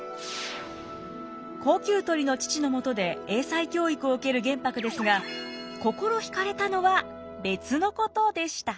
高給取りの父のもとで英才教育を受ける玄白ですが心引かれたのは別のことでした。